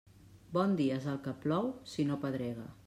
Bon dia és el que plou, si no pedrega.